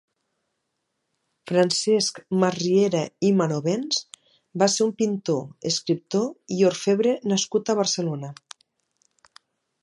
Francesc Masriera i Manovens va ser un pintor, escriptor i orfebre nascut a Barcelona.